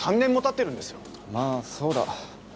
まあ、そうだ。